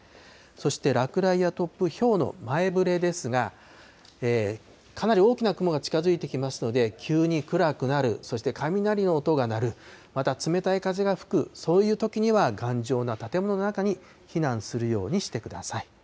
そして、落雷や突風、ひょうの前触れですが、かなり大きな雲が近づいてきますので、急に暗くなる、そして雷の音が鳴る、また冷たい風が吹く、そういうときには頑丈な建物の中に避難するようにしてください。